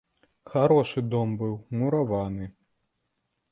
Харошы дом быў, мураваны.